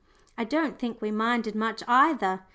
I don't think we minded much either.